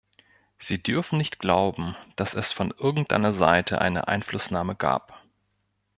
Sie dürfen nicht glauben, dass es von irgendeiner Seite eine Einflussnahme gab.